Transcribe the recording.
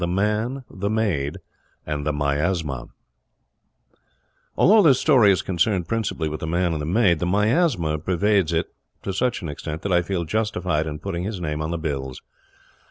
THE MAN, THE MAID, AND THE MIASMA Although this story is concerned principally with the Man and the Maid, the Miasma pervades it to such an extent that I feel justified in putting his name on the bills.